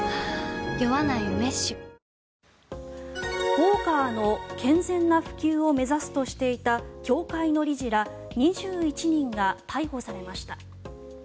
ポーカーの健全な普及を目指すとしていた協会の理事ら２１人が逮捕されました。